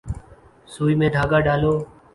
سوئی میں دھاگہ ڈالو۔